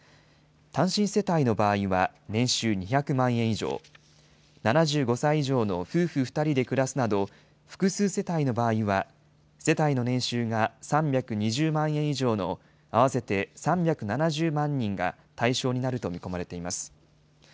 単身世帯の場合は年収２００万円以上、７５歳以上の夫婦２人で暮らすなど、複数世帯の場合は、世帯の年収が３２０万円以上の合わせて３７０万人が対象になると見込まれています。